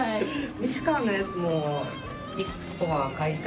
西川のやつも１個は買いたいな。